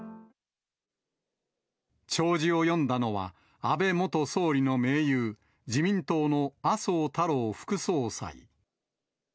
弔辞を読んだのは、安倍元総理の盟友、自民党の麻生太郎副総裁。